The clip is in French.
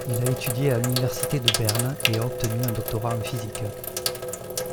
Il a étudié à l'Université de Berne et a obtenu un doctorat en physique.